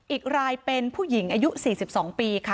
อีกรายเป็นผู้หญิงอายุ๔๒ปีค่ะ